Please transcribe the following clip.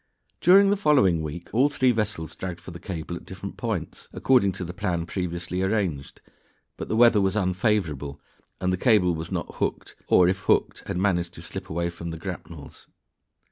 During the following week all three vessels dragged for the cable at different points, according to the plan previously arranged, but the weather was unfavorable, and the cable was not hooked or, if hooked, had managed to slip away from the grapnels.